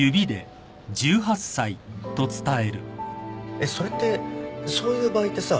えっそれってそういう場合ってさ